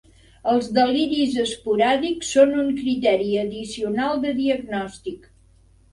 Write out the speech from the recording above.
Els deliris esporàdics són un criteri addicional de diagnòstic.